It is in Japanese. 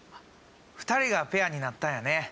２人がペアになったんやね。